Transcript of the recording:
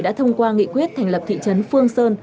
đã thông qua nghị quyết thành lập thị trấn phương sơn